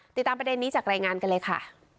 ติดตามประเด็นนี้จากรายงานกันเลยค่ะ